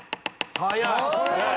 速い！